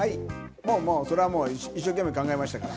それはもう、一生懸命考えましたから。